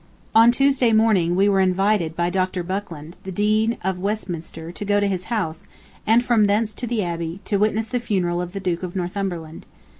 On Tuesday morning we were invited by Dr. Buckland, the Dean of Westminster, to go to his house, and from thence to the Abbey, to witness the funeral of the Duke of Northumberland.